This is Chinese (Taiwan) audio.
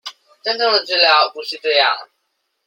真正的治療不是這樣